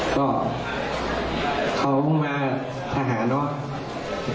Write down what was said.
ก็เขาพึ่งมาทหารเนอะ